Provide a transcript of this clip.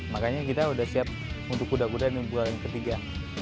makanya kita udah siap untuk kuda kuda di pukulan yang ketiga